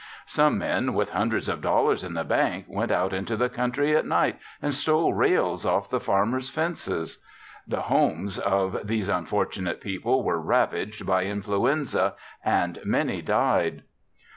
Some men with hundreds of dollars in the bank went out into the country at night and stole rails off the farmers' fences. The homes of these unfortunate people were ravaged by influenza and many died.